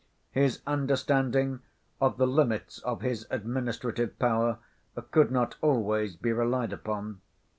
His understanding of the limits of his administrative power could not always be relied upon.